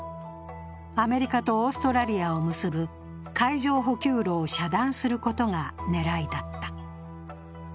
アメリカとオーストラリアを結ぶ海上補給路を遮断することが狙いだった。